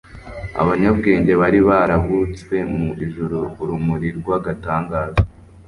abanyabwenge bari barabutswe mu ijuru urumuri rw'agatangaza.